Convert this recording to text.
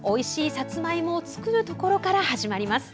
さつまいもを作るところから始まります。